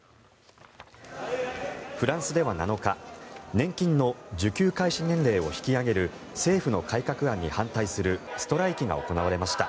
フランスでは７日年金の受給開始年齢を引き上げる政府の改革案に反対するストライキが行われました。